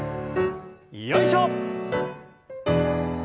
よいしょ！